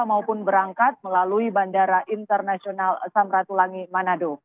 maupun berangkat melalui bandara internasional samratulangi manado